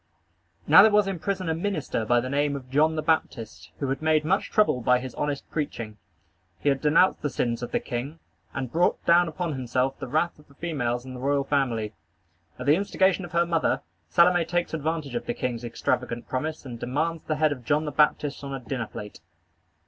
Now there was in prison a minister by the name of John the Baptist, who had made much trouble by his honest preaching. He had denounced the sins of the king, and brought down upon himself the wrath of the females in the royal family. At the instigation of her mother, Salome takes advantage of the king's extravagant promise and demands the head of John the Baptist on a dinner plate.